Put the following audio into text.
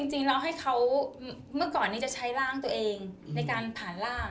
จริงแล้วให้เขาเมื่อก่อนนี้จะใช้ร่างตัวเองในการผ่านร่าง